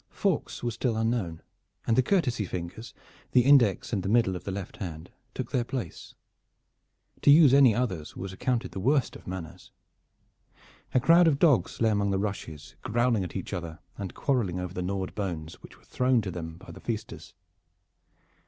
Forks were still unknown, and the courtesy fingers, the index and the middle of the left hand, took their place. To use any others was accounted the worst of manners. A crowd of dogs lay among the rushes growling at each other and quarreling over the gnawed bones which were thrown to them by the feasters.